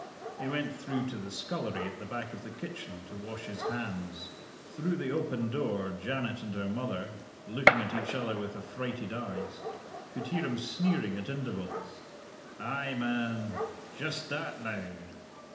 He went through to the scullery at the back of the kitchen to wash his hands. Through the open door Janet and her mother looking at each other with affrighted eyes could hear him sneering at intervals, "Ay, man!"... "Just that, now!"...